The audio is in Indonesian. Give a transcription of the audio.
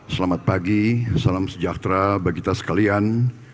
selamat pagi salam sejahtera bagi kita sekalian